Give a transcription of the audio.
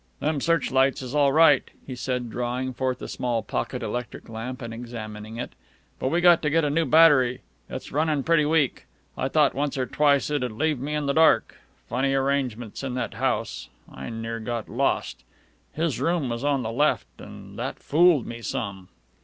"Them search lights is all right," he said, drawing forth a small pocket electric lamp and examining it. "But we got to get a new battery. It's runnin' pretty weak. I thought once or twice it'd leave me in the dark. Funny arrangements in that house. I near got lost. His room was on the left, an' that fooled me some."